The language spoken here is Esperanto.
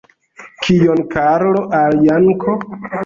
Kion Karlo al Janko?